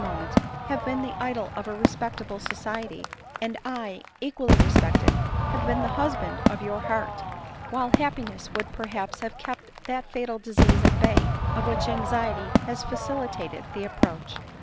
moment have been the idol of a respectable society ; and I, equally respected, have been the husband of your heart ; while happiness would per haps have kept that fatal disease at bay, of which anxiety has facilitated the approach."